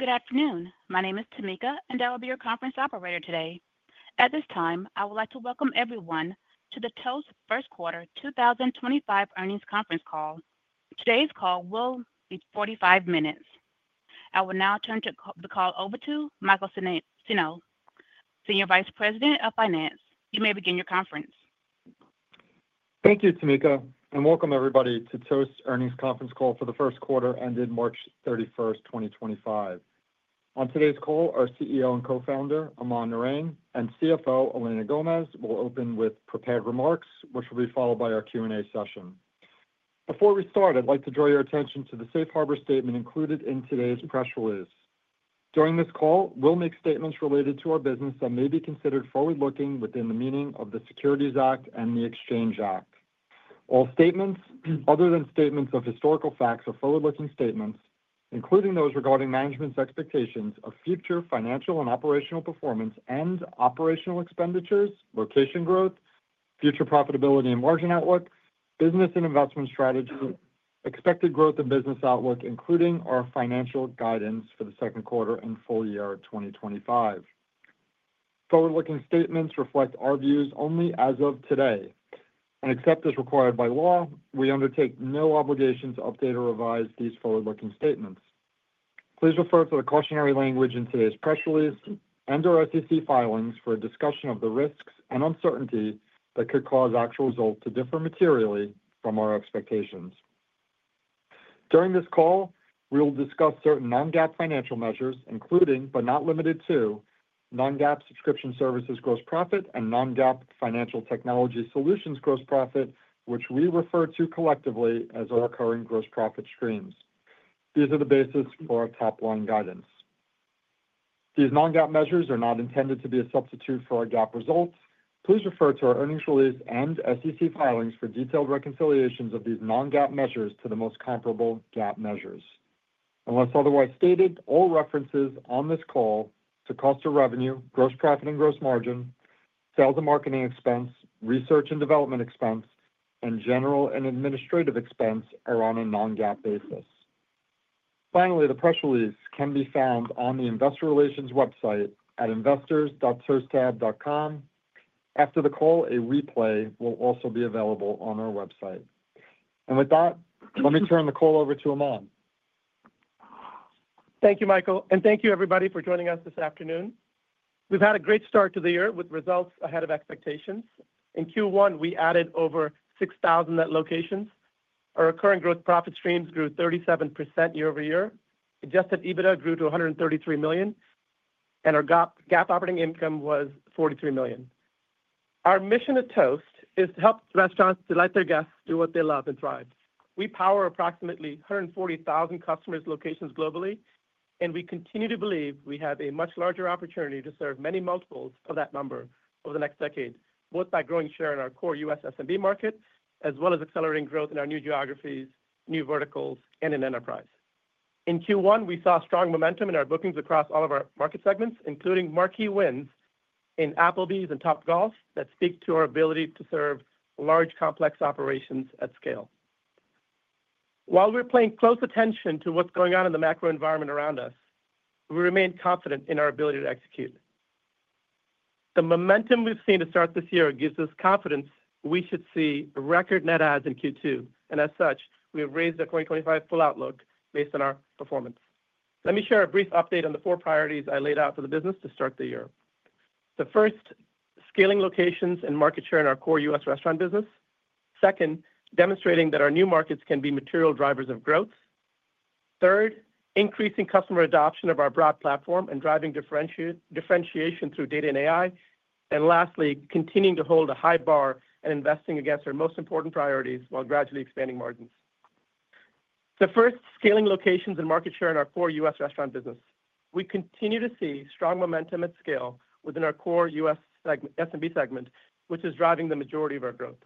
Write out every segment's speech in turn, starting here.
Good afternoon. My name is Tamika, and I will be your conference operator today. At this time, I would like to welcome everyone to the Toast First Quarter 2025 earnings conference call. Today's call will be 45 minutes. I will now turn the call over to Michael Senno, Senior Vice President of Finance. You may begin your conference. Thank you, Tamika, and welcome everybody to Toast Earnings conference call for the first quarter ended March 31st, 2025. On today's call, our CEO and co-founder, Aman Narang, and CFO, Elena Gomez, will open with prepared remarks, which will be followed by our Q&A session. Before we start, I'd like to draw your attention to the Safe Harbor statement included in today's press release. During this call, we'll make statements related to our business that may be considered forward-looking within the meaning of the Securities Act and the Exchange Act. All statements other than statements of historical facts are forward-looking statements, including those regarding management's expectations of future financial and operational performance and operational expenditures, location growth, future profitability and margin outlook, business and investment strategy, expected growth and business outlook, including our financial guidance for the second quarter and full year 2025. Forward-looking statements reflect our views only as of today, and except as required by law, we undertake no obligation to update or revise these forward-looking statements. Please refer to the cautionary language in today's press release and our SEC filings for a discussion of the risks and uncertainty that could cause actual results to differ materially from our expectations. During this call, we will discuss certain non-GAAP financial measures, including but not limited to non-GAAP subscription services gross profit and non-GAAP financial technology solutions gross profit, which we refer to collectively as our current gross profit streams. These are the basis for our top line guidance. These non-GAAP measures are not intended to be a substitute for our GAAP results. Please refer to our earnings release and SEC filings for detailed reconciliations of these non-GAAP measures to the most comparable GAAP measures. Unless otherwise stated, all references on this call to cost of revenue, gross profit and gross margin, sales and marketing expense, research and development expense, and general and administrative expense are on a non-GAAP basis. Finally, the press release can be found on the Investor Relations website at investors.toasttab.com. After the call, a replay will also be available on our website. And with that, let me turn the call over to Aman. Thank you, Michael, and thank you, everybody, for joining us this afternoon. We've had a great start to the year with results ahead of expectations. In Q1, we added over 6,000 net locations. Our current gross profit streams grew 37% year over year. Adjusted EBITDA grew to $133 million, and our GAAP operating income was $43 million. Our mission at Toast is to help restaurants delight their guests, do what they love, and thrive. We power approximately 140,000 customers' locations globally, and we continue to believe we have a much larger opportunity to serve many multiples of that number over the next decade, both by growing share in our core U.S. SMB market as well as accelerating growth in our new geographies, new verticals, and in enterprise. In Q1, we saw strong momentum in our bookings across all of our market segments, including marquee wins in Applebee's and Topgolf that speak to our ability to serve large, complex operations at scale. While we're paying close attention to what's going on in the macro environment around us, we remain confident in our ability to execute. The momentum we've seen to start this year gives us confidence we should see record net adds in Q2, and as such, we have raised our 2025 full outlook based on our performance. Let me share a brief update on the four priorities I laid out for the business to start the year. The first, scaling locations and market share in our core U.S. restaurant business. Second, demonstrating that our new markets can be material drivers of growth. Third, increasing customer adoption of our broad platform and driving differentiation through data and AI. And lastly, continuing to hold a high bar and investing against our most important priorities while gradually expanding margins. The first, scaling locations and market share in our core U.S. restaurant business. We continue to see strong momentum at scale within our core U.S. SMB segment, which is driving the majority of our growth.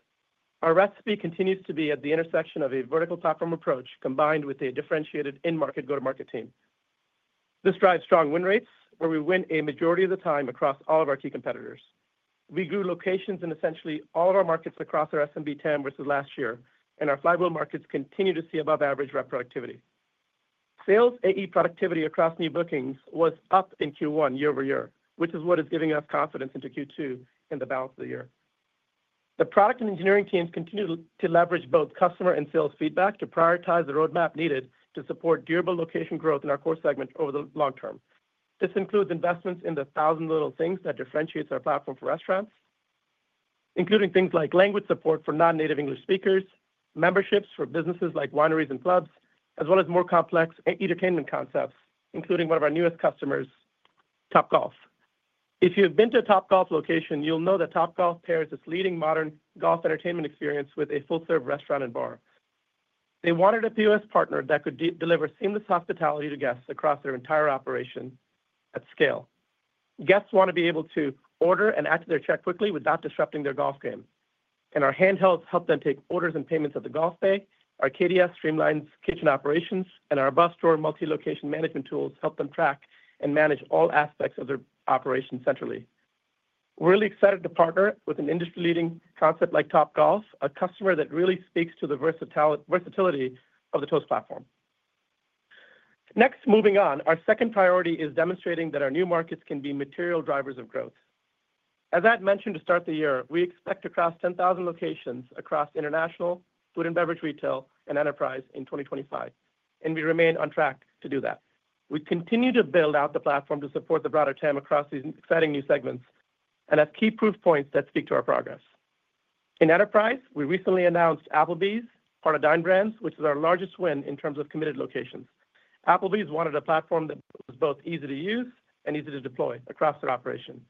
Our recipe continues to be at the intersection of a vertical platform approach combined with a differentiated in-market go-to-market team. This drives strong win rates, where we win a majority of the time across all of our key competitors. We grew locations in essentially all of our markets across our SMB TAM versus last year, and our flywheel markets continue to see above-average reproductivity. Sales AE productivity across new bookings was up in Q1 year over year, which is what is giving us confidence into Q2 and the balance of the year. The product and engineering teams continue to leverage both customer and sales feedback to prioritize the roadmap needed to support durable location growth in our core segment over the long term. This includes investments in the thousand little things that differentiates our platform for restaurants, including things like language support for non-native English speakers, memberships for businesses like wineries and clubs, as well as more complex entertainment concepts, including one of our newest customers, Topgolf. If you've been to a Topgolf location, you'll know that Topgolf pairs its leading modern golf entertainment experience with a full-service restaurant and bar. They wanted a POS partner that could deliver seamless hospitality to guests across their entire operation at scale. Guests want to be able to order and add to their check quickly without disrupting their golf game, and our handhelds help them take orders and payments at the golf bay. Our KDS streamlines kitchen operations, and our dashboard multi-location management tools help them track and manage all aspects of their operations centrally. We're really excited to partner with an industry-leading concept like Topgolf, a customer that really speaks to the versatility of the Toast platform. Next, moving on, our second priority is demonstrating that our new markets can be material drivers of growth. As I had mentioned to start the year, we expect to cross 10,000 locations across international, food and beverage retail, and enterprise in 2025, and we remain on track to do that. We continue to build out the platform to support the broader TAM across these exciting new segments and have key proof points that speak to our progress. In enterprise, we recently announced Applebee's, part of Dine Brands, which is our largest win in terms of committed locations. Applebee's wanted a platform that was both easy to use and easy to deploy across their operation.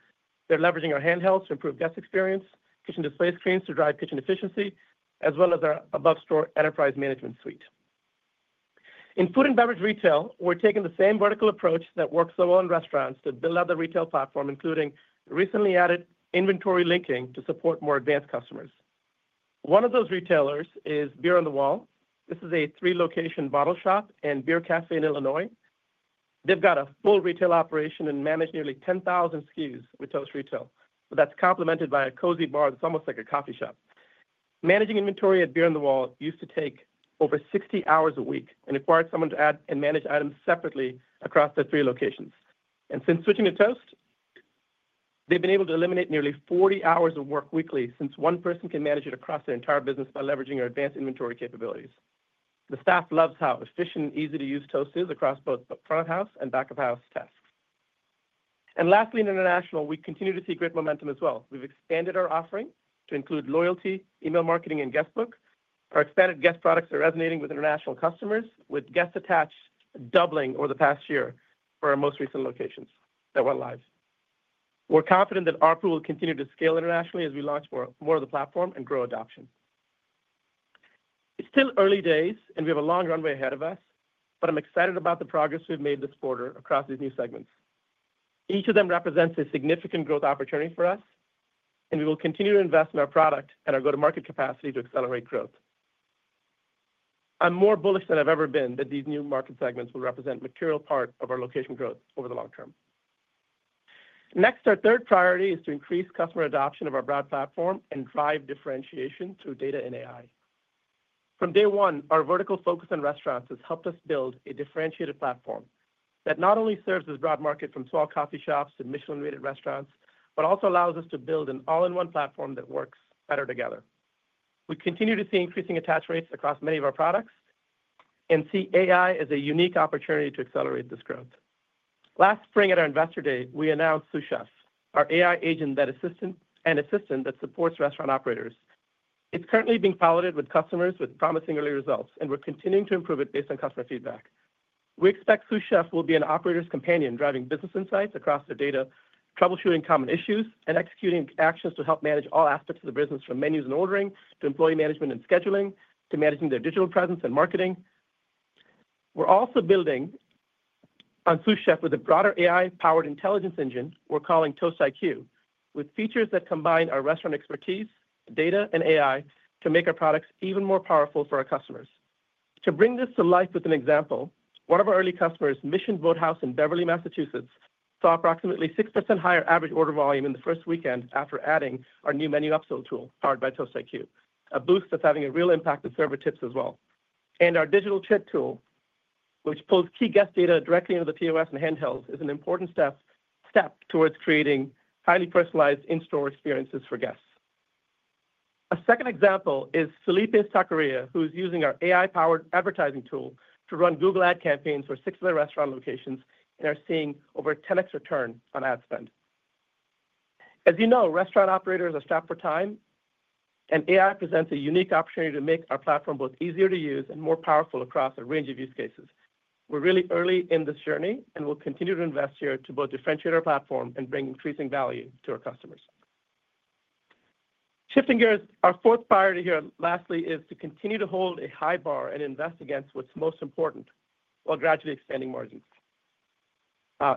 They're leveraging our handhelds to improve guest experience, kitchen display screens to drive kitchen efficiency, as well as our above-store enterprise management suite. In food and beverage retail, we're taking the same vertical approach that works so well in restaurants to build out the retail platform, including recently added inventory linking to support more advanced customers. One of those retailers is Beer on the Wall. This is a three-location bottle shop and beer cafe in Illinois. They've got a full retail operation and manage nearly 10,000 SKUs with Toast Retail, but that's complemented by a cozy bar that's almost like a coffee shop. Managing inventory at Beer on the Wall used to take over 60 hours a week and required someone to add and manage items separately across the three locations, and since switching to Toast, they've been able to eliminate nearly 40 hours of work weekly since one person can manage it across their entire business by leveraging our advanced inventory capabilities. The staff loves how efficient and easy to use Toast is across both front-of-house and back-of-house tasks, and lastly, in international, we continue to see great momentum as well. We've expanded our offering to include loyalty, email marketing, and Guestbook. Our expanded guest products are resonating with international customers, with guests attached doubling over the past year for our most recent locations that went live. We're confident that our core will continue to scale internationally as we launch more of the platform and grow adoption. It's still early days, and we have a long runway ahead of us, but I'm excited about the progress we've made this quarter across these new segments. Each of them represents a significant growth opportunity for us, and we will continue to invest in our product and our go-to-market capacity to accelerate growth. I'm more bullish than I've ever been that these new market segments will represent a material part of our location growth over the long term. Next, our third priority is to increase customer adoption of our broad platform and drive differentiation through data and AI. From day one, our vertical focus on restaurants has helped us build a differentiated platform that not only serves this broad market from small coffee shops to Michelin-rated restaurants, but also allows us to build an all-in-one platform that works better together. We continue to see increasing attach rates across many of our products and see AI as a unique opportunity to accelerate this growth. Last spring, at our investor day, we announced Sous Chef, our AI agent and assistant that supports restaurant operators. It's currently being piloted with customers with promising early results, and we're continuing to improve it based on customer feedback. We expect Sous Chef will be an operator's companion, driving business insights across their data, troubleshooting common issues, and executing actions to help manage all aspects of the business, from menus and ordering to employee management and scheduling to managing their digital presence and marketing. We're also building on Sous Chef with a broader AI-powered intelligence engine we're calling Toast IQ, with features that combine our restaurant expertise, data, and AI to make our products even more powerful for our customers. To bring this to life with an example, one of our early customers, Mission Boathouse in Beverly, Massachusetts, saw approximately 6% higher average order volume in the first weekend after adding our new menu upsell tool powered by Toast IQ, a boost that's having a real impact with server tips as well. And our Digital Chit tool, which pulls key guest data directly into the POS and handhelds, is an important step towards creating highly personalized in-store experiences for guests. A second example is Felipe's Taqueria, who is using our AI-powered advertising tool to run Google ad campaigns for six of their restaurant locations and are seeing over a 10x return on ad spend. As you know, restaurant operators are strapped for time, and AI presents a unique opportunity to make our platform both easier to use and more powerful across a range of use cases. We're really early in this journey, and we'll continue to invest here to both differentiate our platform and bring increasing value to our customers. Shifting gears, our fourth priority here lastly is to continue to hold a high bar and invest against what's most important while gradually expanding margins.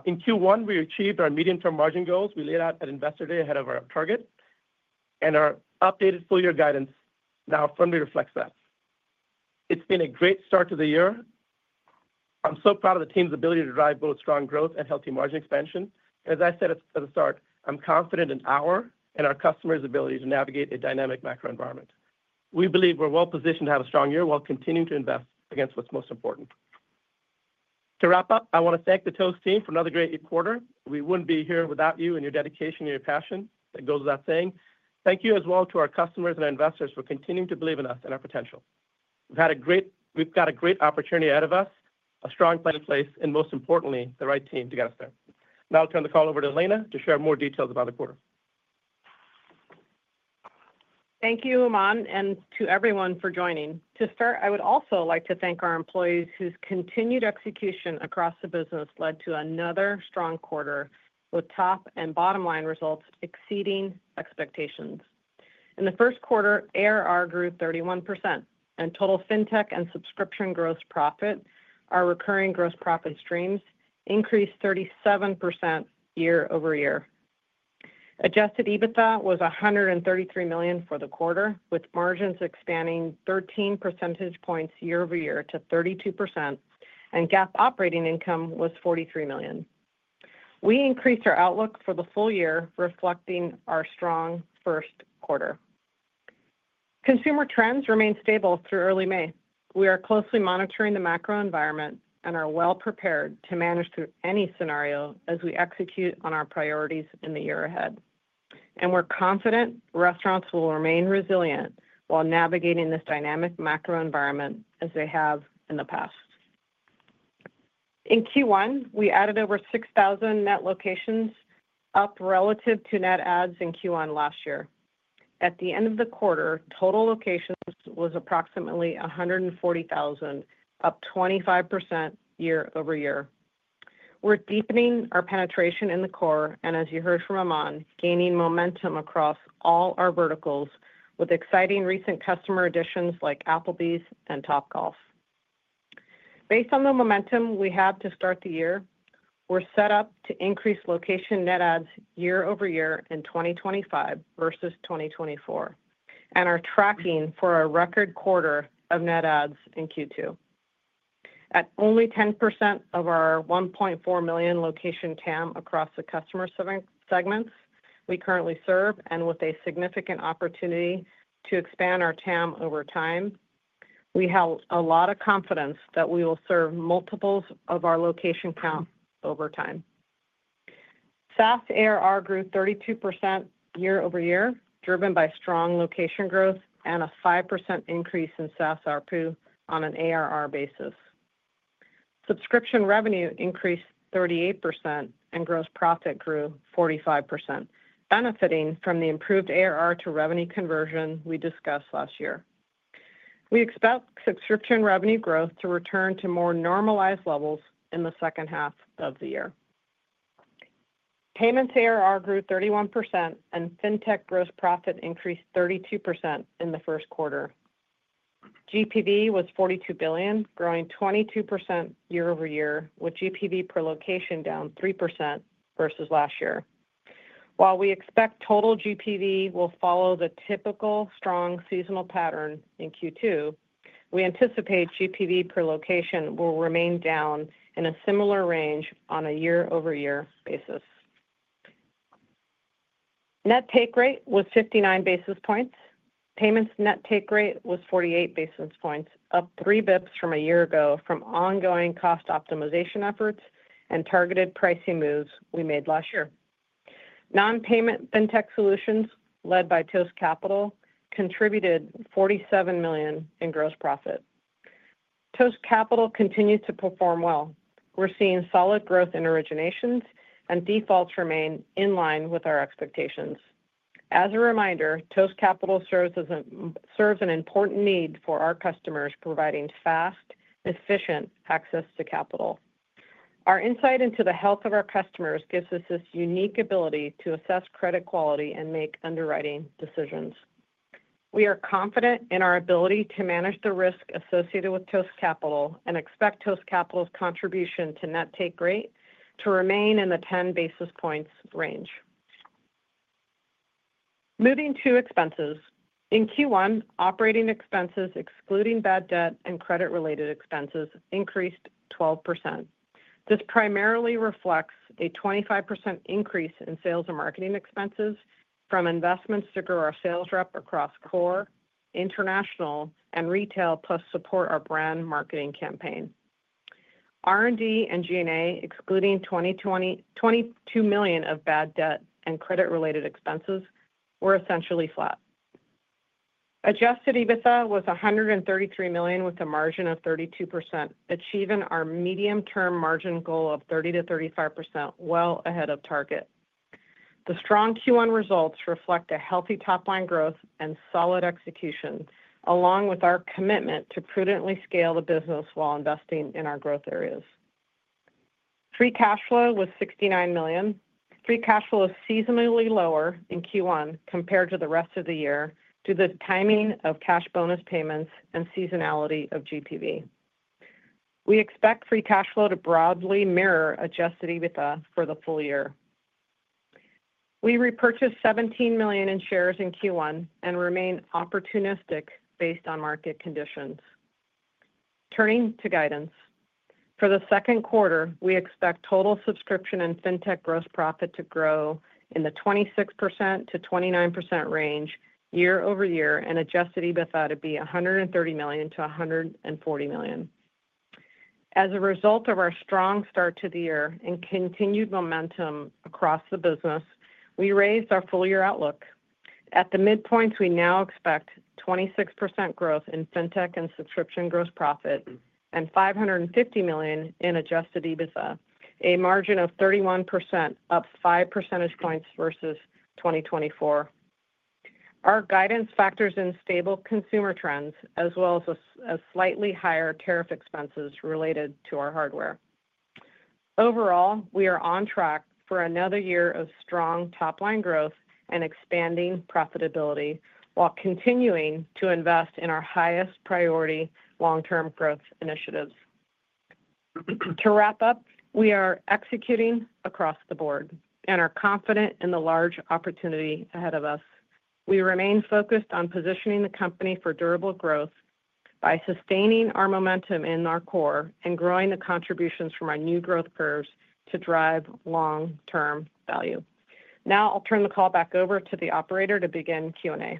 In Q1, we achieved our medium-term margin goals we laid out at Investor Day ahead of our target, and our updated full-year guidance now firmly reflects that. It's been a great start to the year. I'm so proud of the team's ability to drive both strong growth and healthy margin expansion. As I said at the start, I'm confident in our and our customers' ability to navigate a dynamic macro environment. We believe we're well-positioned to have a strong year while continuing to invest against what's most important. To wrap up, I want to thank the Toast team for another great quarter. We wouldn't be here without you and your dedication and your passion. It goes without saying. Thank you as well to our customers and our investors for continuing to believe in us and our potential. We've had a great, we've got a great opportunity ahead of us, a strong plan in place, and most importantly, the right team to get us there. Now I'll turn the call over to Elena to share more details about the quarter. Thank you, Aman, and to everyone for joining. To start, I would also like to thank our employees whose continued execution across the business led to another strong quarter with top and bottom-line results exceeding expectations. In the first quarter, ARR grew 31%, and total fintech and subscription gross profit, our recurring gross profit streams, increased 37% year over year. Adjusted EBITDA was $133 million for the quarter, with margins expanding 13 percentage points year over year to 32%, and GAAP operating income was $43 million. We increased our outlook for the full year, reflecting our strong first quarter. Consumer trends remained stable through early May. We are closely monitoring the macro environment and are well-prepared to manage through any scenario as we execute on our priorities in the year ahead, and we're confident restaurants will remain resilient while navigating this dynamic macro environment as they have in the past. In Q1, we added over 6,000 net locations, up relative to net adds in Q1 last year. At the end of the quarter, total locations was approximately 140,000, up 25% year over year. We're deepening our penetration in the core and, as you heard from Aman, gaining momentum across all our verticals with exciting recent customer additions like Applebee's and Topgolf. Based on the momentum we have to start the year, we're set up to increase location net adds year over year in 2025 versus 2024 and are tracking for a record quarter of net adds in Q2. At only 10% of our 1.4 million location TAM across the customer segments we currently serve and with a significant opportunity to expand our TAM over time, we have a lot of confidence that we will serve multiples of our location TAM over time. SaaS ARR grew 32% year over year, driven by strong location growth and a 5% increase in SaaS ARPU on an ARR basis. Subscription revenue increased 38% and gross profit grew 45%, benefiting from the improved ARR to revenue conversion we discussed last year. We expect subscription revenue growth to return to more normalized levels in the second half of the year. Payments ARR grew 31% and fintech gross profit increased 32% in the first quarter. GPV was $42 billion, growing 22% year over year, with GPV per location down 3% versus last year. While we expect total GPV will follow the typical strong seasonal pattern in Q2, we anticipate GPV per location will remain down in a similar range on a year-over-year basis. Net take rate was 59 basis points. Payments net take rate was 48 basis points, up three basis points from a year ago from ongoing cost optimization efforts and targeted pricing moves we made last year. Non-payment fintech solutions led by Toast Capital contributed $47 million in gross profit. Toast Capital continues to perform well. We're seeing solid growth in originations, and defaults remain in line with our expectations. As a reminder, Toast Capital serves an important need for our customers, providing fast, efficient access to capital. Our insight into the health of our customers gives us this unique ability to assess credit quality and make underwriting decisions. We are confident in our ability to manage the risk associated with Toast Capital and expect Toast Capital's contribution to net take rate to remain in the 10 basis points range. Moving to expenses. In Q1, operating expenses, excluding bad debt and credit-related expenses, increased 12%. This primarily reflects a 25% increase in sales and marketing expenses from investments to grow our sales rep across core, international, and retail, plus support our brand marketing campaign. R&D and G&A, excluding $22 million of bad debt and credit-related expenses, were essentially flat. Adjusted EBITDA was $133 million with a margin of 32%, achieving our medium-term margin goal of 30%-35% well ahead of target. The strong Q1 results reflect a healthy top-line growth and solid execution, along with our commitment to prudently scale the business while investing in our growth areas. Free cash flow was $69 million. Free cash flow was seasonally lower in Q1 compared to the rest of the year due to the timing of cash bonus payments and seasonality of GPV. We expect free cash flow to broadly mirror adjusted EBITDA for the full year. We repurchased $17 million in shares in Q1 and remain opportunistic based on market conditions. Turning to guidance. For the second quarter, we expect total subscription and fintech gross profit to grow in the 26%-29% range year over year and Adjusted EBITDA to be $130 million-$140 million. As a result of our strong start to the year and continued momentum across the business, we raised our full-year outlook. At the midpoint, we now expect 26% growth in fintech and subscription gross profit and $550 million in Adjusted EBITDA, a margin of 31%, up 5 percentage points versus 2024. Our guidance factors in stable consumer trends as well as slightly higher tariff expenses related to our hardware. Overall, we are on track for another year of strong top-line growth and expanding profitability while continuing to invest in our highest priority long-term growth initiatives. To wrap up, we are executing across the board and are confident in the large opportunity ahead of us. We remain focused on positioning the company for durable growth by sustaining our momentum in our core and growing the contributions from our new growth curves to drive long-term value. Now I'll turn the call back over to the operator to begin Q&A.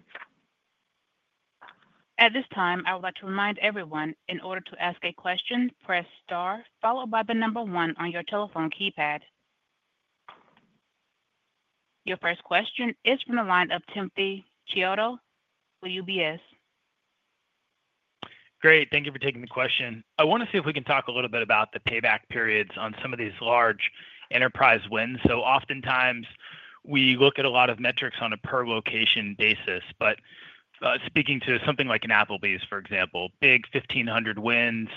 At this time, I would like to remind everyone, in order to ask a question, press star followed by the number one on your telephone keypad. Your first question is from the line of Timothy Chiodo for UBS. Great. Thank you for taking the question. I want to see if we can talk a little bit about the payback periods on some of these large enterprise wins. So oftentimes, we look at a lot of metrics on a per-location basis. But speaking to something like an Applebee's, for example, big 1,500 wins,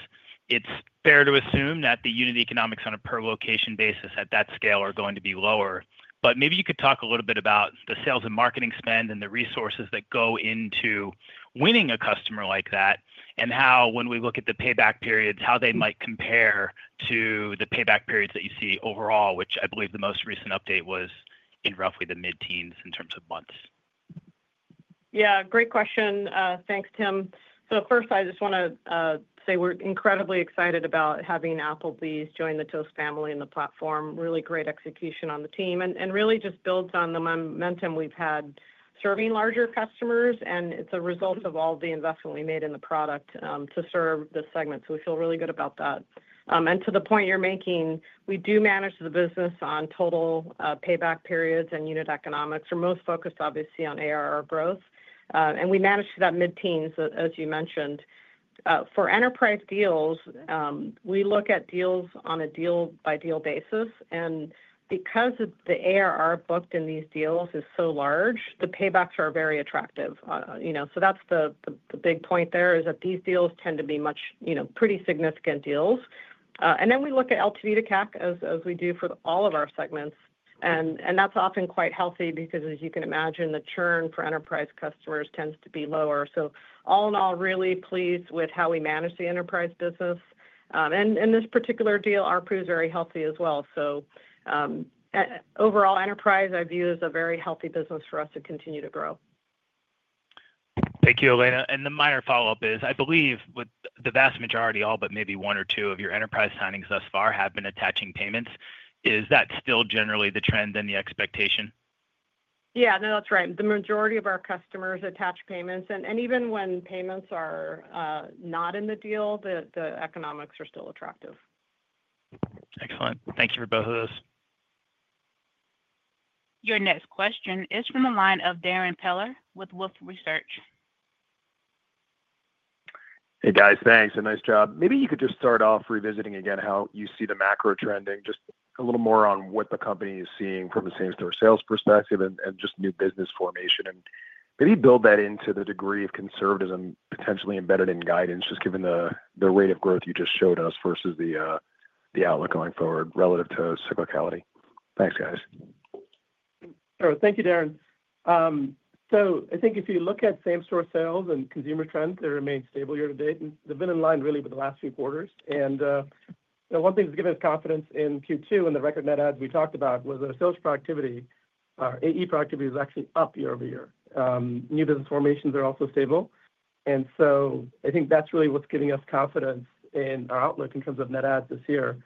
it's fair to assume that the unit economics on a per-location basis at that scale are going to be lower. But maybe you could talk a little bit about the sales and marketing spend and the resources that go into winning a customer like that and how, when we look at the payback periods, how they might compare to the payback periods that you see overall, which I believe the most recent update was in roughly the mid-teens in terms of months. Yeah. Great question. Thanks, Tim. So first, I just want to say we're incredibly excited about having Applebee's join the Toast family and the platform. Really great execution on the team and really just builds on the momentum we've had serving larger customers. And it's a result of all the investment we made in the product to serve the segment. So we feel really good about that. And to the point you're making, we do manage the business on total payback periods and unit economics. We're most focused, obviously, on ARR growth. And we manage that mid-teens, as you mentioned. For enterprise deals, we look at deals on a deal-by-deal basis. And because the ARR booked in these deals is so large, the paybacks are very attractive. So that's the big point there is that these deals tend to be pretty significant deals. And then we look at LTV to CAC as we do for all of our segments. And that's often quite healthy because, as you can imagine, the churn for enterprise customers tends to be lower. So all in all, really pleased with how we manage the enterprise business. And in this particular deal, our pool is very healthy as well. So overall, enterprise, I view as a very healthy business for us to continue to grow. Thank you, Elena. And the minor follow-up is, I believe with the vast majority, all but maybe one or two of your enterprise signings thus far have been attaching payments. Is that still generally the trend and the expectation? Yeah. No, that's right. The majority of our customers attach payments. And even when payments are not in the deal, the economics are still attractive. Excellent. Thank you for both of those. Your next question is from the` line of Darrin Peller with Wolfe Research. Hey, guys. Thanks. A nice job. Maybe you could just start off revisiting again how you see the macro trending, just a little more on what the company is seeing from the same store sales perspective and just new business formation. And maybe build that into the degree of conservatism potentially embedded in guidance, just given the rate of growth you just showed us versus the outlook going forward relative to cyclicality. Thanks, guys. Thank you, Darrin. So I think if you look at same store sales and consumer trends, they remain stable year to date. They've been in line really with the last few quarters. And one thing that's given us confidence in Q2 and the record net adds we talked about was our sales productivity, our AE productivity is actually up year over year. New business formations are also stable. And so I think that's really what's giving us confidence in our outlook in terms of net adds this year.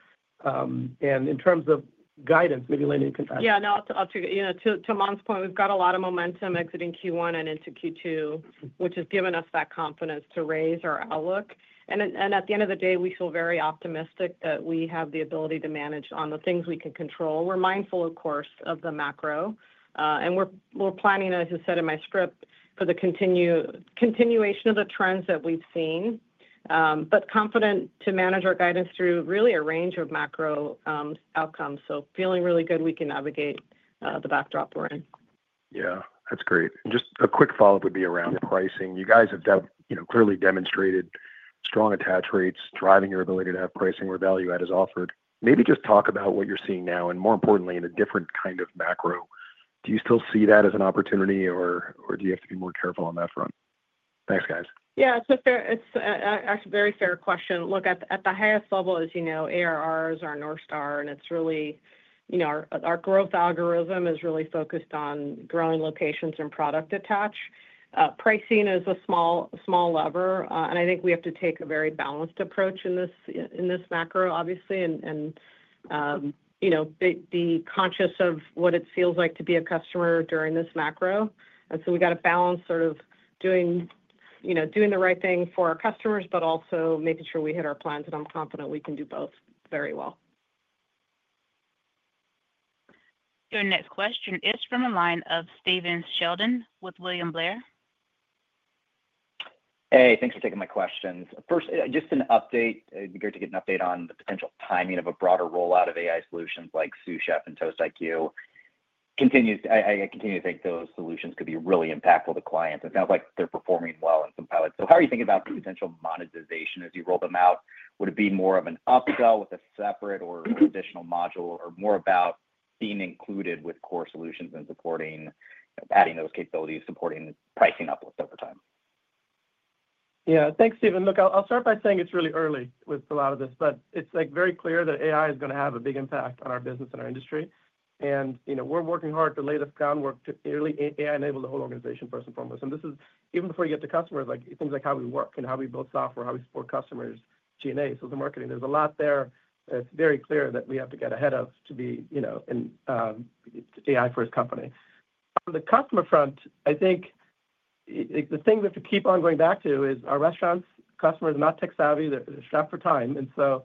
And in terms of guidance, maybe Elena, you can add? Yeah. No, I'll take it. To Aman's point, we've got a lot of momentum exiting Q1 and into Q2, which has given us that confidence to raise our outlook. And at the end of the day, we feel very optimistic that we have the ability to manage on the things we can control. We're mindful, of course, of the macro. And we're planning, as I said in my script, for the continuation of the trends that we've seen, but confident to manage our guidance through really a range of macro outcomes, so feeling really good we can navigate the backdrop we're in. Yeah. That's great. And just a quick follow-up would be around pricing. You guys have clearly demonstrated strong attach rates, driving your ability to have pricing where value add is offered. Maybe just talk about what you're seeing now and, more importantly, in a different kind of macro. Do you still see that as an opportunity, or do you have to be more careful on that front? Thanks, guys. Yeah. It's a very fair question. Look, at the highest level, as you know, ARRs are North Star, and it's really our growth algorithm is really focused on growing locations and product attach. Pricing is a small lever. And I think we have to take a very balanced approach in this macro, obviously, and be conscious of what it feels like to be a customer during this macro. And so we've got to balance sort of doing the right thing for our customers, but also making sure we hit our plans. And I'm confident we can do both very well. Your next question is from the line of Stephen Sheldon with William Blair. Hey, thanks for taking my questions. First, just an update. It'd be great to get an update on the potential timing of a broader rollout of AI solutions like Sous Chef and Toast IQ. I continue to think those solutions could be really impactful to clients. It sounds like they're performing well in some pilots. So how are you thinking about the potential monetization as you roll them out? Would it be more of an upsell with a separate or additional module, or more about being included with core solutions and adding those capabilities, supporting pricing uplift over time? Yeah. Thanks, Stephen. Look, I'll start by saying it's really early with a lot of this, but it's very clear that AI is going to have a big impact on our business and our industry. And we're working hard to lay the groundwork to really AI-enabled the whole organization, first and foremost. And this is even before you get to customers, things like how we work and how we build software, how we support customers, G&A, sales and marketing. There's a lot there that's very clear that we have to get ahead of to be an AI-first company. On the customer front, I think the thing we have to keep on going back to is our restaurants' customers are not tech-savvy. They're strapped for time. And so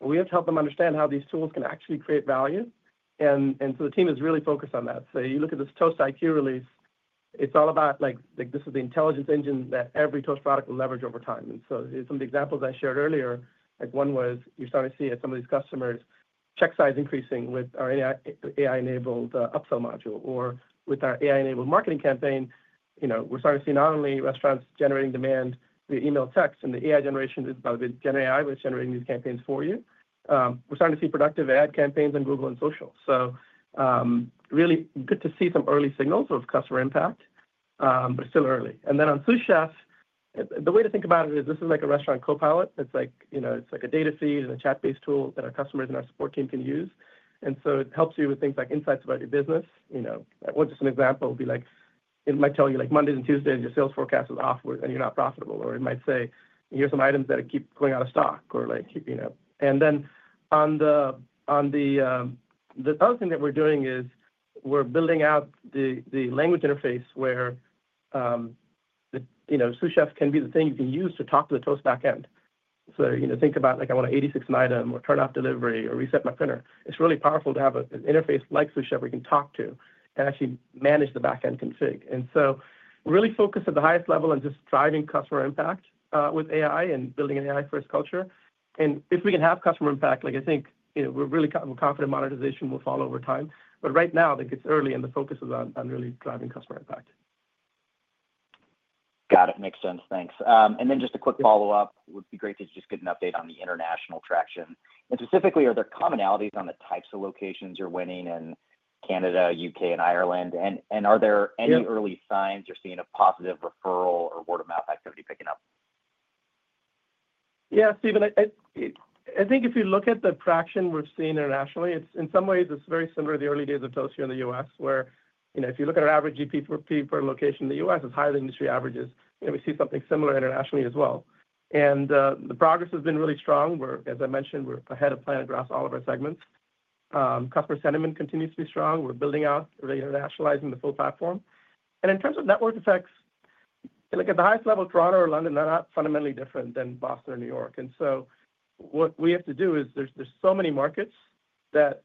we have to help them understand how these tools can actually create value. And so the team is really focused on that. So, you look at this Toast IQ release. It's all about this is the intelligence engine that every Toast product will leverage over time. And so some of the examples I shared earlier, one was you're starting to see at some of these customers check size increasing with our AI-enabled upsell module. Or with our AI-enabled marketing campaign, we're starting to see not only restaurants generating demand via email text, and the AI generation is, by the way, GenAI was generating these campaigns for you. We're starting to see productive ad campaigns on Google and social. So really good to see some early signals of customer impact, but still early. And then on Sous Chef, the way to think about it is this is like a restaurant copilot. It's like a data feed and a chat-based tool that our customers and our support team can use. And so it helps you with things like insights about your business. Just an example would be it might tell you Mondays and Tuesdays your sales forecast is awkward and you're not profitable. Or it might say, "Here's some items that keep going out of stock." And then on the other thing that we're doing is we're building out the language interface where Sous Chef can be the thing you can use to talk to the Toast backend. So think about, "I want an 86 item or turn off delivery or reset my printer." It's really powerful to have an interface like Sous Chef where you can talk to and actually manage the backend config. And so we're really focused at the highest level and just driving customer impact with AI and building an AI-first culture. And if we can have customer impact, I think we're really confident monetization will follow over time. But right now, I think it's early and the focus is on really driving customer impact. Got it. Makes sense. Thanks. And then just a quick follow-up. It would be great to just get an update on the international traction. And specifically, are there commonalities on the types of locations you're winning in Canada, U.K., and Ireland? And are there any early signs you're seeing of positive referral or word-of-mouth activity picking up? Yeah, Stephen, I think if you look at the traction we're seeing internationally, in some ways, it's very similar to the early days of Toast here in the U.S., where if you look at our average GPV per location in the U.S., it's higher than industry averages. We see something similar internationally as well. And the progress has been really strong. As I mentioned, we're ahead of plan across all of our segments. Customer sentiment continues to be strong. We're building out our international platform. And in terms of network effects, at the highest level, Toronto or London, they're not fundamentally different than Boston or New York. And so what we have to do is there's so many markets that,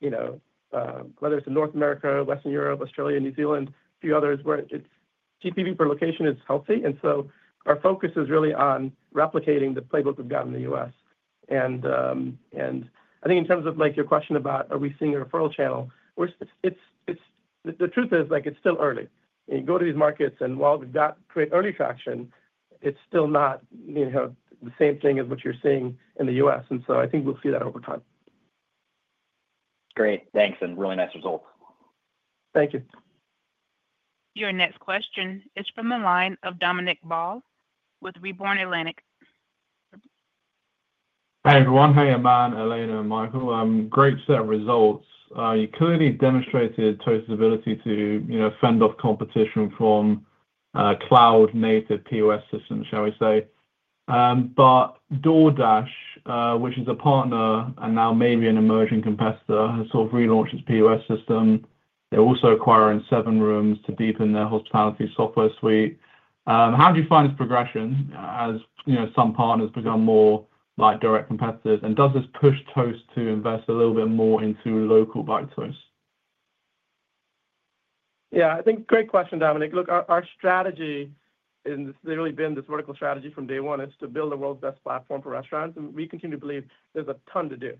whether it's in North America, Western Europe, Australia, New Zealand, a few others, where GPV per location is healthy. And so our focus is really on replicating the playbook we've got in the U.S. And I think in terms of your question about, are we seeing a referral channel, the truth is it's still early. You go to these markets, and while we've got great early traction, it's still not the same thing as what you're seeing in the U.S. And so I think we'll see that over time. Great. Thanks and really nice results. Thank you. Your next question is from the line of Dominic Ball with Redburn Atlantic. Hi everyone. Hey, Aman, Elena, and Michael. Great set of results. You clearly demonstrated Toast's ability to fend off competition from cloud-native POS systems, shall we say. But DoorDash, which is a partner and now maybe an emerging competitor, has sort of relaunched its POS system. They're also acquiring SevenRooms to deepen their hospitality software suite. How do you find this progression as some partners become more like direct competitors? And does this push Toast to invest a little bit more into local integrations? Yeah. I think great question, Dominic. Look, our strategy has literally been this vertical strategy from day one is to build the world's best platform for restaurants. And we continue to believe there's a ton to do,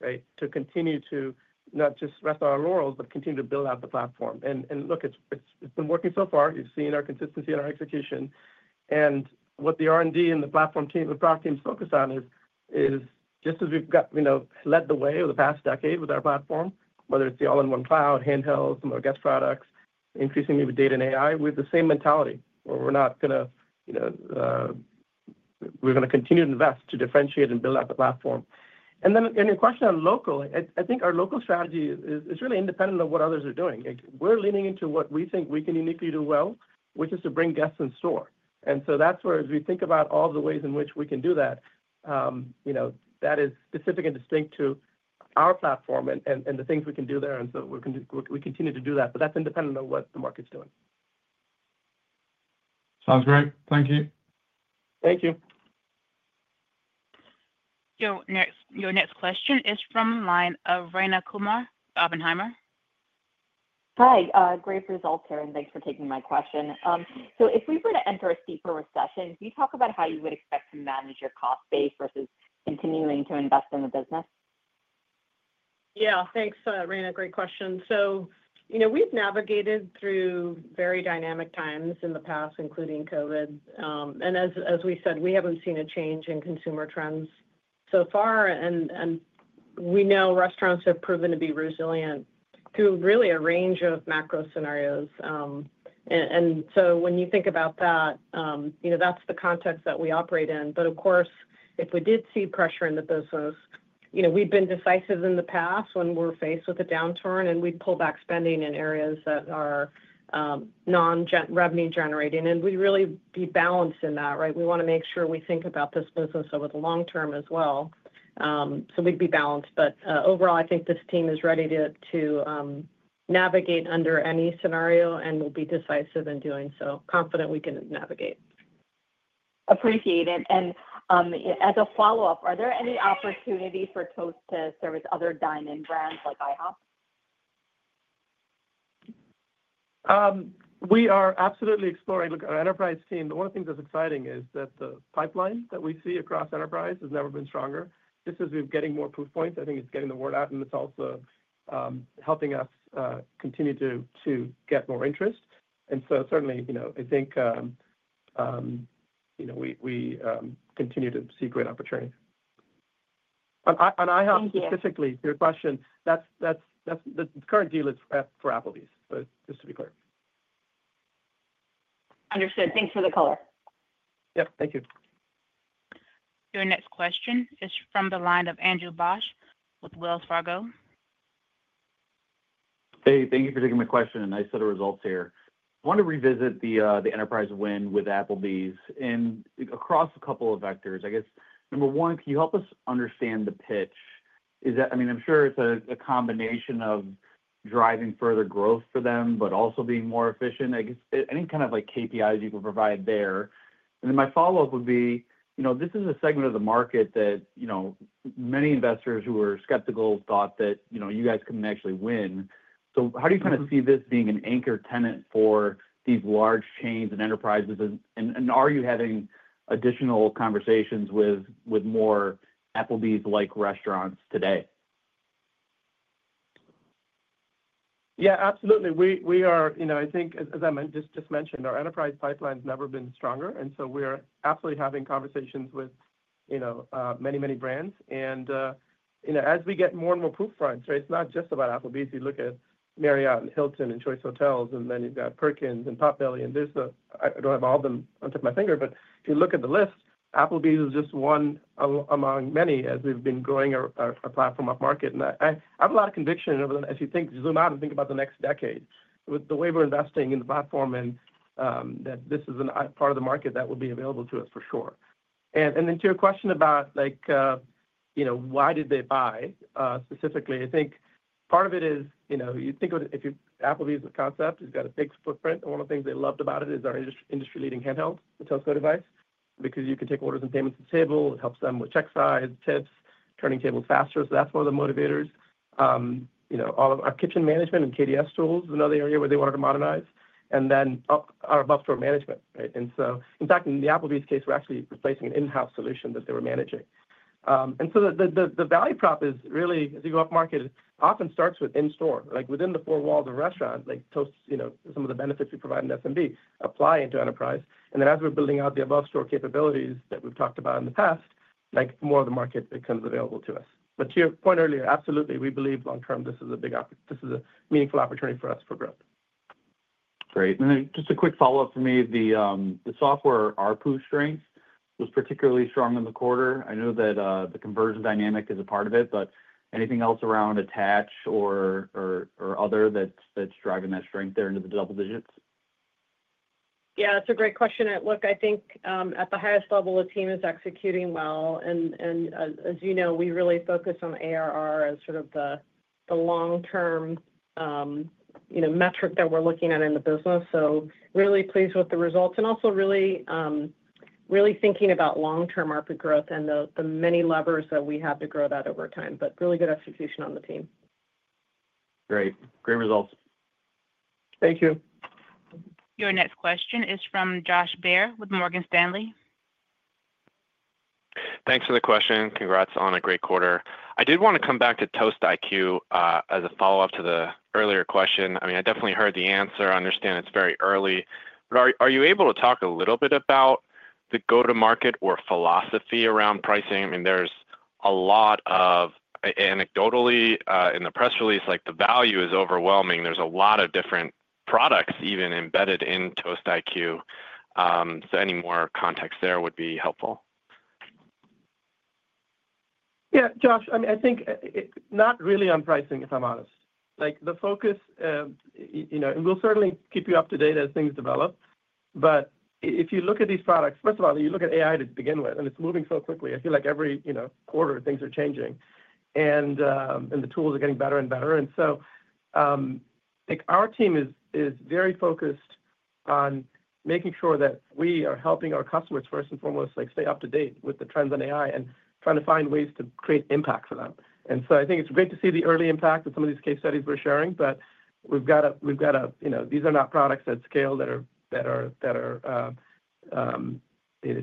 right, to continue to not just rest on our laurels, but continue to build out the platform. And look, it's been working so far. You've seen our consistency in our execution. And what the R&D and the platform team and product teams focus on is just as we've led the way over the past decade with our platform, whether it's the all-in-one cloud, handhelds, some of our guest products, increasingly with data and AI, we have the same mentality where we're going to continue to invest to differentiate and build out the platform. And then in your question on local, I think our local strategy is really independent of what others are doing. We're leaning into what we think we can uniquely do well, which is to bring guests in store. And so that's where, as we think about all the ways in which we can do that, that is specific and distinct to our platform and the things we can do there. And so we continue to do that. But that's independent of what the market's doing. Sounds great. Thank you. Thank you. Your next question is from the line of Rayna Kumar, Oppenheimer. Hi. Great results, Aman. Thanks for taking my question. So if we were to enter a steeper recession, can you talk about how you would expect to manage your cost base versus continuing to invest in the business? Yeah. Thanks, Rayna. Great question, so we've navigated through very dynamic times in the past, including COVID, and as we said, we haven't seen a change in consumer trends so far, and we know restaurants have proven to be resilient through really a range of macro scenarios, and so when you think about that, that's the context that we operate in, but of course, if we did see pressure in the business, we've been decisive in the past when we're faced with a downturn, and we'd pull back spending in areas that are non-revenue generating, and we'd really be balanced in that, right? We want to make sure we think about this business over the long term as well, so we'd be balanced, but overall, I think this team is ready to navigate under any scenario and will be decisive in doing so, confident we can navigate. Appreciate it. As a follow-up, are there any opportunities for Toast to service other dine-in brands like IHOP? We are absolutely exploring. Look, our enterprise team, the one thing that's exciting is that the pipeline that we see across enterprise has never been stronger. Just as we're getting more proof points, I think it's getting the word out, and it's also helping us continue to get more interest. And so certainly, I think we continue to see great opportunity. On IHOP specifically, to your question, the current deal is for Applebee's, but just to be clear. Understood. Thanks for the color. Yep. Thank you. Your next question is from the line of Andrew Bauch with Wells Fargo. Hey, thank you for taking my question. Nice set of results here. I want to revisit the enterprise win with Applebee's across a couple of vectors. I guess, number one, can you help us understand the pitch? I mean, I'm sure it's a combination of driving further growth for them, but also being more efficient. I guess any kind of KPIs you can provide there. And then my follow-up would be, this is a segment of the market that many investors who were skeptical thought that you guys couldn't actually win. So how do you kind of see this being an anchor tenant for these large chains and enterprises? And are you having additional conversations with more Applebee's-like restaurants today? Yeah, absolutely. We are, I think, as I just mentioned, our enterprise pipeline has never been stronger, and so we're absolutely having conversations with many, many brands, and as we get more and more proof points, right, it's not just about Applebee's. You look at Marriott and Hilton and Choice Hotels, and then you've got Perkins and Potbelly. I don't have all of them off the top of my head, but if you look at the list, Applebee's is just one among many as we've been growing our platform upmarket, and I have a lot of conviction as you zoom out and think about the next decade with the way we're investing in the platform and that this is a part of the market that will be available to us for sure. Then to your question about why did they buy specifically, I think part of it is you think of Applebee's as a concept. It's got a big footprint. And one of the things they loved about it is our industry-leading handheld, the Toast Go device, because you can take orders and payments at the table. It helps them with check size, tips, turning tables faster. So that's one of the motivators. Our kitchen management and KDS tools is another area where they wanted to modernize. And then our above-store management, right? And so, in fact, in the Applebee's case, we're actually replacing an in-house solution that they were managing. And so the value prop is really, as you go upmarket, often starts with in-store. Within the four walls of a restaurant, Toast, some of the benefits we provide in SMB, apply into enterprise. And then as we're building out the above-store capabilities that we've talked about in the past, more of the market becomes available to us. But to your point earlier, absolutely, we believe long-term this is a meaningful opportunity for us for growth. Great. And then just a quick follow-up for me, the software RPU strength was particularly strong in the quarter. I know that the conversion dynamic is a part of it, but anything else around attach or other that's driving that strength there into the double digits? Yeah, that's a great question. Look, I think at the highest level, the team is executing well, and as you know, we really focus on ARR as sort of the long-term metric that we're looking at in the business, so really pleased with the results and also really thinking about long-term market growth and the many levers that we have to grow that over time, but really good execution on the team. Great. Great results. Thank you. Your next question is from Josh Baer with Morgan Stanley. Thanks for the question. Congrats on a great quarter. I did want to come back to Toast IQ as a follow-up to the earlier question. I mean, I definitely heard the answer. I understand it's very early. But are you able to talk a little bit about the go-to-market or philosophy around pricing? I mean, there's a lot of anecdotes in the press release. The value is overwhelming. There's a lot of different products even embedded in Toast IQ. So any more context there would be helpful. Yeah, Josh, I mean, I think not really on pricing, if I'm honest. The focus, and we'll certainly keep you up to date as things develop. But if you look at these products, first of all, you look at AI to begin with, and it's moving so quickly. I feel like every quarter, things are changing, and the tools are getting better and better. And so our team is very focused on making sure that we are helping our customers first and foremost stay up to date with the trends in AI and trying to find ways to create impact for them. And so I think it's great to see the early impact of some of these case studies we're sharing. But we've got to. These are not products at scale that are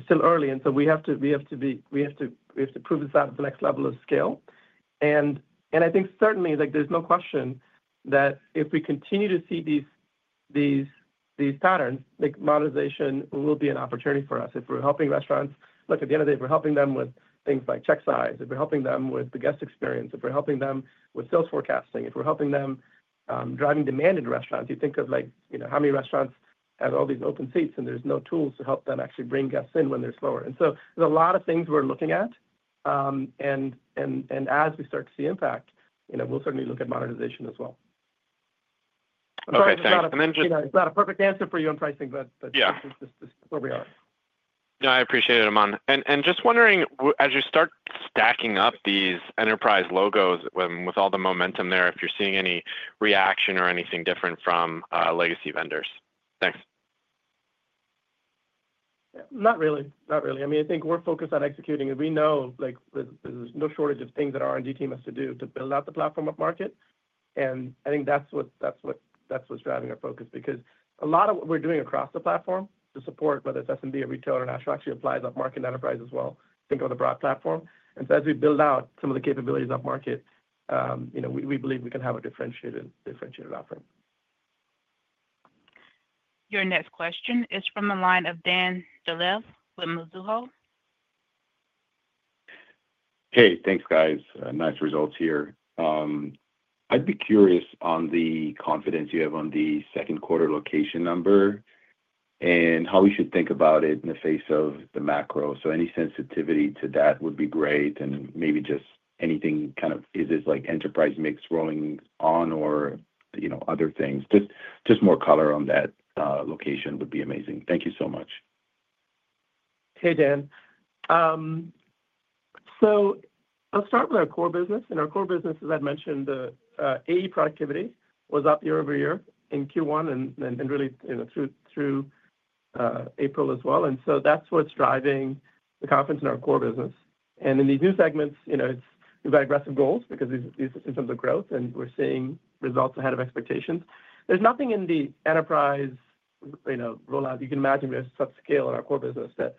still early. And so we have to prove this out at the next level of scale. I think certainly, there's no question that if we continue to see these patterns, monetization will be an opportunity for us. If we're helping restaurants, look, at the end of the day, if we're helping them with things like check size, if we're helping them with the guest experience, if we're helping them with sales forecasting, if we're helping them driving demand in restaurants, you think of how many restaurants have all these open seats, and there's no tools to help them actually bring guests in when they're slower. And so there's a lot of things we're looking at. And as we start to see impact, we'll certainly look at monetization as well. Okay. Thanks. It's not a perfect answer for you on pricing, but this is where we are. No, I appreciate it, Aman, and just wondering, as you start stacking up these enterprise logos with all the momentum there, if you're seeing any reaction or anything different from legacy vendors? Thanks. Not really. Not really. I mean, I think we're focused on executing. And we know there's no shortage of things that our R&D team has to do to build out the platform upmarket. And I think that's what's driving our focus because a lot of what we're doing across the platform to support, whether it's SMB or retail or national, actually applies upmarket enterprise as well. Think of the broad platform. And so as we build out some of the capabilities upmarket, we believe we can have a differentiated offering. Your next question is from the line of Dan Dolev with Mizuho. Hey, thanks, guys. Nice results here. I'd be curious on the confidence you have on the second quarter location number and how we should think about it in the face of the macro. So any sensitivity to that would be great. And maybe just anything kind of, is this enterprise mix rolling on or other things? Just more color on that location would be amazing. Thank you so much. Hey, Dan. So I'll start with our core business. And our core business, as I mentioned, the AE productivity was up year over year in Q1 and really through April as well. And so that's what's driving the confidence in our core business. And in these new segments, we've had aggressive goals because these are systems of growth, and we're seeing results ahead of expectations. There's nothing in the enterprise rollout. You can imagine we have such scale in our core business that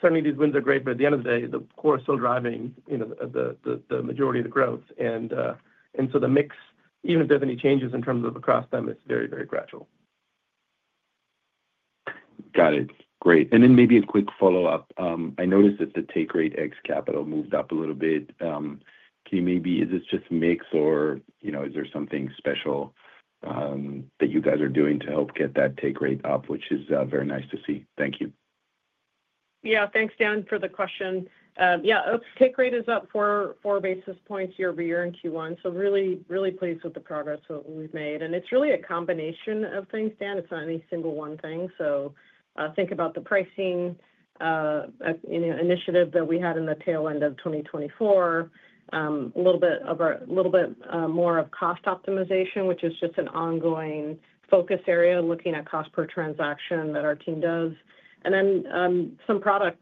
certainly these wins are great. But at the end of the day, the core is still driving the majority of the growth. And so the mix, even if there's any changes in terms of across them, it's very, very gradual. Got it. Great. And then maybe a quick follow-up. I noticed that the take rate ex capital moved up a little bit. Is this just mix or is there something special that you guys are doing to help get that take rate up, which is very nice to see? Thank you. Yeah. Thanks, Dan, for the question. Yeah. Oops. Take rate is up four basis points year over year in Q1. So really, really pleased with the progress that we've made. And it's really a combination of things, Dan. It's not any single one thing. So think about the pricing initiative that we had in the tail end of 2024, a little bit more of cost optimization, which is just an ongoing focus area, looking at cost per transaction that our team does. And then some product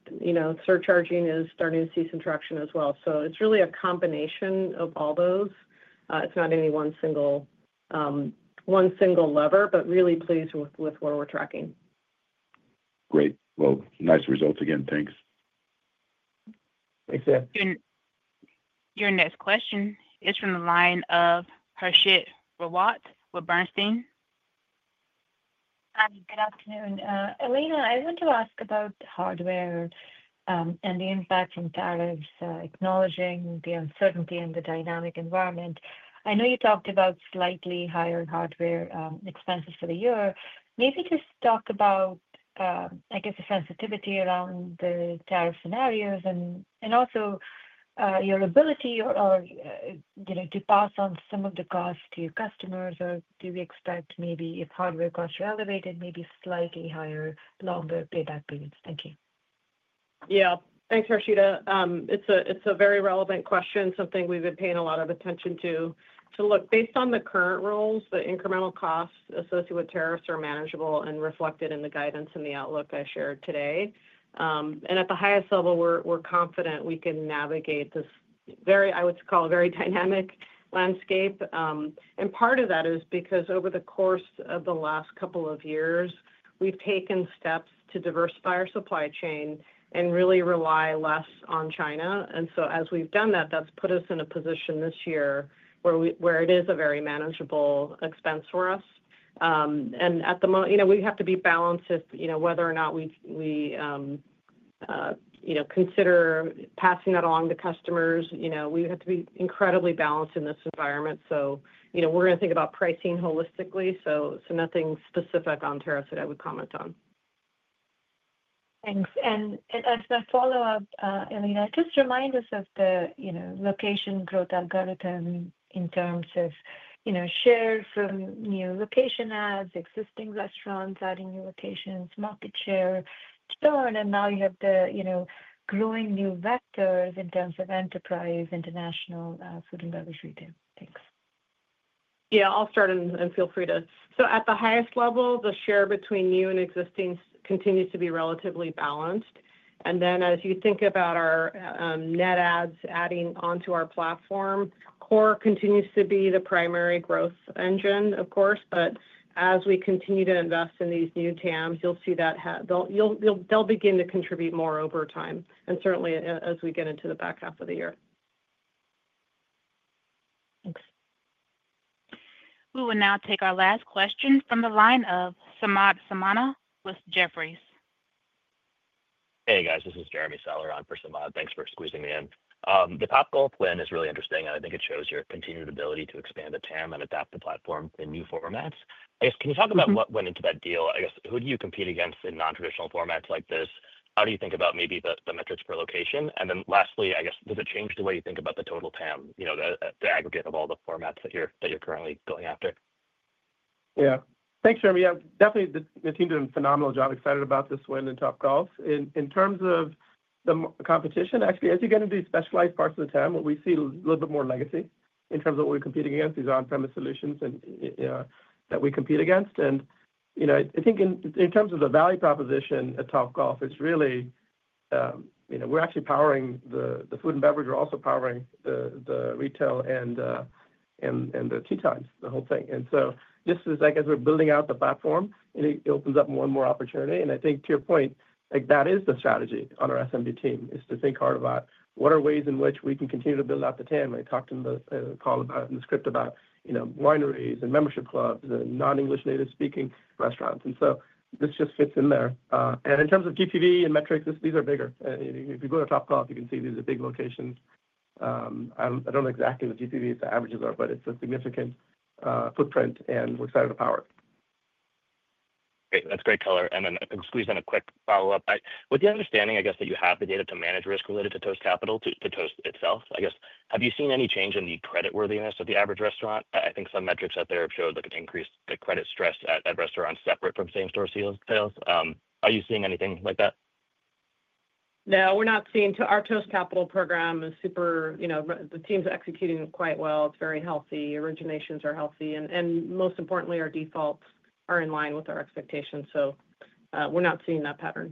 surcharging is starting to see some traction as well. So it's really a combination of all those. It's not any one single lever, but really pleased with where we're tracking. Great. Well, nice results again. Thanks. Thanks, Dan. Your next question is from the line of Harshita Rawat with Bernstein. Hi. Good afternoon. Elena, I want to ask about hardware and the impact from tariffs, acknowledging the uncertainty in the dynamic environment. I know you talked about slightly higher hardware expenses for the year. Maybe just talk about, I guess, the sensitivity around the tariff scenarios and also your ability to pass on some of the costs to your customers. Or do we expect maybe if hardware costs are elevated, maybe slightly higher, longer payback periods? Thank you. Yeah. Thanks, Harshita. It's a very relevant question, something we've been paying a lot of attention to. So look, based on the current rules, the incremental costs associated with tariffs are manageable and reflected in the guidance and the outlook I shared today. And at the highest level, we're confident we can navigate this very, I would call it, very dynamic landscape. And part of that is because over the course of the last couple of years, we've taken steps to diversify our supply chain and really rely less on China. And so as we've done that, that's put us in a position this year where it is a very manageable expense for us. And at the moment, we have to be balanced in whether or not we consider passing that along to customers. We have to be incredibly balanced in this environment. We're going to think about pricing holistically. Nothing specific on tariffs that I would comment on. Thanks. And as a follow-up, Elena, just remind us of the location growth algorithm in terms of share from new location adds, existing restaurants, adding new locations, market share. And now you have the growing new vectors in terms of enterprise, international, food and beverage retail. Thanks. Yeah. I'll start and feel free to. So at the highest level, the share between new and existing continues to be relatively balanced. And then as you think about our net adds adding onto our platform, core continues to be the primary growth engine, of course. But as we continue to invest in these new TAMs, you'll see that they'll begin to contribute more over time, and certainly as we get into the back half of the year. Thanks. We will now take our last question from the line of Samad Samana with Jefferies. Hey, guys. This is Jeremy Sahler on for Samad. Thanks for squeezing me in. The Topgolf plan is really interesting, and I think it shows your continued ability to expand the TAM and adapt the platform in new formats. I guess, can you talk about what went into that deal? I guess, who do you compete against in non-traditional formats like this? How do you think about maybe the metrics per location? And then lastly, I guess, does it change the way you think about the total TAM, the aggregate of all the formats that you're currently going after? Yeah. Thanks, Jeremy. Definitely, the team did a phenomenal job. Excited about this win and Topgolf. In terms of the competition, actually, as you get into these specialized parts of the TAM, we see a little bit more legacy in terms of what we're competing against, these on-premise solutions that we compete against. And I think in terms of the value proposition at Topgolf, it's really we're actually powering the food and beverage. We're also powering the retail and the tee times, the whole thing. And so just as we're building out the platform, it opens up one more opportunity. And I think to your point, that is the strategy on our SMB team is to think hard about what are ways in which we can continue to build out the TAM. I talked in the call about in the script about wineries and membership clubs and non-English native speaking restaurants. And so this just fits in there. And in terms of GPV and metrics, these are bigger. If you go to Topgolf, you can see these are big locations. I don't know exactly what GPV's averages are, but it's a significant footprint, and we're excited to power it. Great. That's great color. And then I'm squeezing a quick follow-up. With the understanding, I guess, that you have the data to manage risk related to Toast Capital to Toast itself, I guess, have you seen any change in the creditworthiness of the average restaurant? I think some metrics out there have showed an increased credit stress at restaurants separate from same-store sales. Are you seeing anything like that? No, we're not seeing our Toast Capital program. It's super. The team's executing it quite well. It's very healthy. Originations are healthy, and most importantly, our defaults are in line with our expectations, so we're not seeing that pattern.